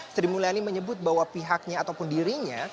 sri mulyani menyebut bahwa pihaknya ataupun dirinya